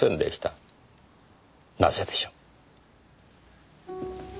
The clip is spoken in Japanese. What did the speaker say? なぜでしょう？